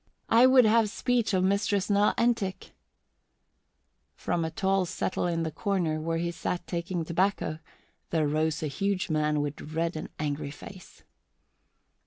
I would have speech of Mistress Nell Entick." From a tall settle in the corner, where he sat taking tobacco, there rose a huge man with red and angry face.